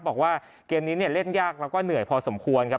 บอกว่าเกมนี้เนี่ยเล่นยากแล้วก็เหนื่อยพอสมควรครับ